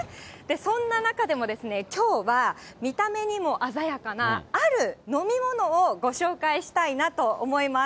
そんな中でも、きょうは、見た目にも鮮やかな、ある飲み物をご紹介したいなと思います。